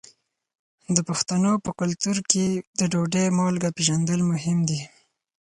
د پښتنو په کلتور کې د ډوډۍ مالګه پیژندل مهم دي.